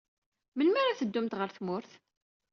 Melmi ara teddumt ɣer tmurt?